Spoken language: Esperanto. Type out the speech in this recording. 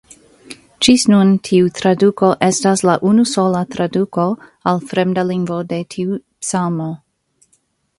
Ĝis nun tiu traduko estas la unusola traduko al fremda lingvo de tiu psalmo.